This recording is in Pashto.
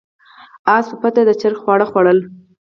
اس په پټه د چرګې خواړه خوړل.